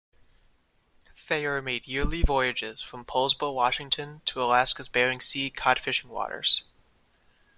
Thayer made yearly voyages from Poulsbo, Washington, to Alaska's Bering Sea cod-fishing waters.